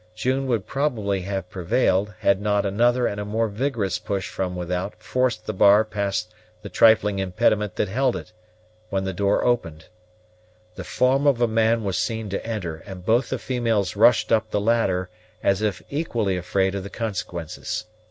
June would probably have prevailed, had not another and a more vigorous push from without forced the bar past the trifling impediment that held it, when the door opened. The form of a man was seen to enter; and both the females rushed up the ladder, as if equally afraid of the consequences.